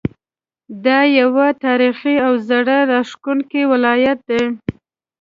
دا یو تاریخي او زړه راښکونکی ولایت دی.